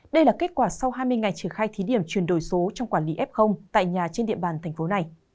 đây là kết quả sau hai mươi ngày triển khai thí điểm chuyển đổi số trong quản lý f tại nhà trên địa bàn tp hcm